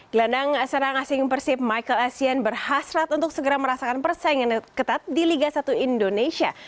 gelandang serang asing persib michael essien berhasrat untuk segera merasakan persaingan ketat di liga satu indonesia